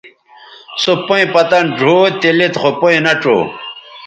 سو پئیں پتَن ڙھؤ تے لید خو پئیں نہ ڇؤ